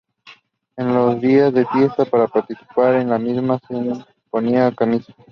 En los días de fiesta para participar en la misa se ponían camisas.